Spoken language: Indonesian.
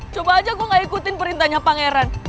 coba aja gue gak ikutin perintahnya pangeran